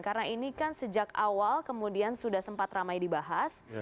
karena ini kan sejak awal kemudian sudah sempat ramai dibahas